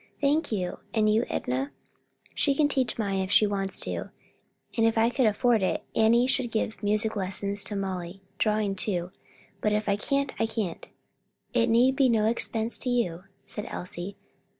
"Thank you. And you, Enna?" "She can teach mine if she wants to, and if I could afford it, Annie should give music lessons to Molly; drawing too; but if I can't, I can't." "It need be no expense to you," said Elsie.